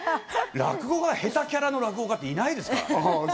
落語が下手キャラの落語家っていないですからね。